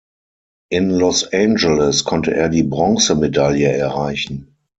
In Los Angeles konnte er die Bronzemedaille erreichen.